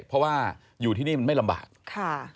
เพราะว่าอยู่ที่นี่มันไม่ลำบากค่ะ